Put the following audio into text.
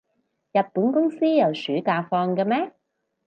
日本公司有暑假放嘅咩？